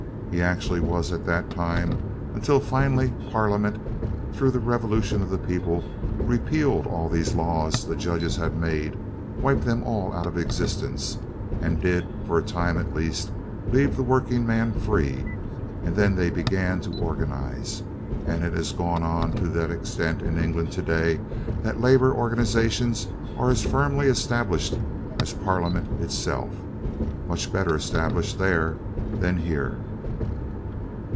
He actually was at that time, until finally Parliament, through the revolution of the people, repealed all these laws that judges had made, wiped them all out of existence, and did, for a time at least, leave the working man free; and then they began to organize, and it has gone on to that extent in England today, that labor organizations are as firmly established as Parliament itself. Much better established there than here.